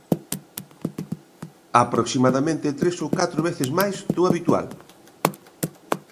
Aproximadamente, tres ou catro veces máis do habitual.